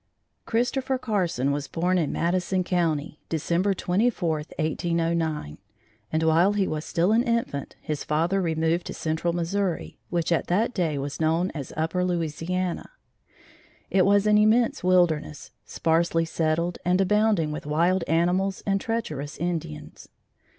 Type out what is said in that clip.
Christopher Carson was born in Madison county, December 24, 1809, and, while he was still an infant, his father removed to Central Missouri, which at that day was known as Upper Louisiana. It was an immense wilderness, sparsely settled and abounding with wild animals and treacherous Indians.